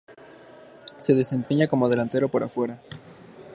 Se desempeña como delantero por afuera.